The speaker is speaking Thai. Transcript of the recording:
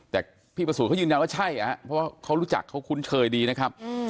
แต่พี่ประสูจนเขายืนยันว่าใช่เพราะว่าเขารู้จักเขาคุ้นเคยดีนะครับ